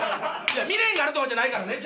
未練があるとかじゃないからね。